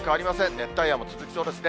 熱帯夜も続きそうですね。